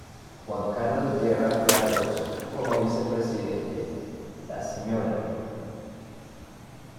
Juan Carlos Guerra Fiallos como Vicepresidente, la Sra.